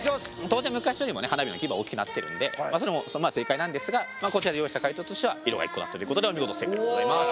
当然昔よりもね花火の規模は大きくなってるんでそれもまあ正解なんですがこちらで用意した回答としては色が１個だったということでお見事正解でございます。